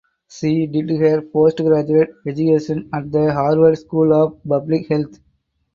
She did her postgraduate education at the Harvard School of Public Health.